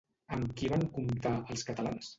Amb qui van comptar, els catalans?